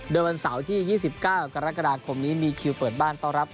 โดยวันเสาร์ที่๒๙กรกฎาคมนี้มีคิวเปิดบ้านต้อนรับ